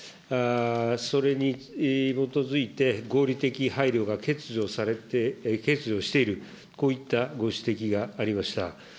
それに基づいて、合理的配慮が欠如している、こういったご指摘がありました。